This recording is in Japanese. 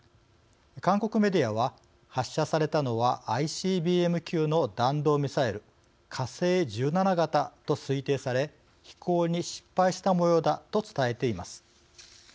韓国メディアは「発射されたのはＩＣＢＭ級の弾道ミサイル火星１７型と推定され飛行に失敗したもようだ」と伝えています。